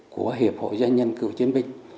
của hiệp hội doanh nhân cựu chiến binh